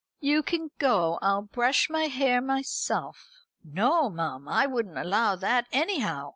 "You can go. I'll brush my hair myself." "No, mum, I wouldn't allow that anyhow.